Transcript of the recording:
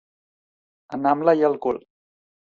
Anar amb l'all al cul.